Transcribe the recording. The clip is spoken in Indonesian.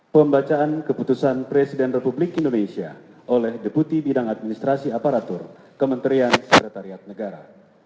pembacaan keputusan presiden republik indonesia oleh deputi bidang administrasi aparatur kementerian sekretariat negara